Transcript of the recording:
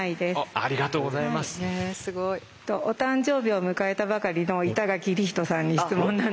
お誕生日を迎えたばかりの板垣李光人さんに質問なんですけど。